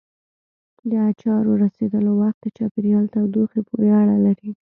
د اچارو رسېدلو وخت د چاپېریال تودوخې پورې اړه لري.